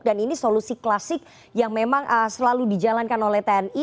dan ini solusi klasik yang memang selalu dijalankan oleh tni